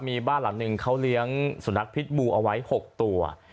มีบ้านหลังหนึ่งเขาเลี้ยงสุนัขพิษบูเอาไว้๖ตัว